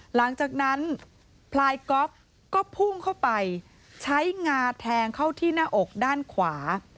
หลังจากนั้นพลายก๊อฟก็พุ่งเข้าไปใช้งาแทงเข้าที่หน้าอกด้านขวา